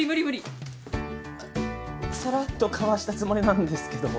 あっさらっとかわしたつもりなんですけど。